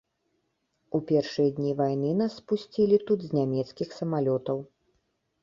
У першыя дні вайны нас спусцілі тут з нямецкіх самалётаў.